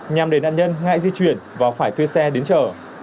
nhằm để nạn nhân ngại di chuyển và phải thuê xe đến chở